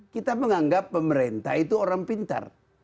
kita menganggap pemerintah itu orang pintar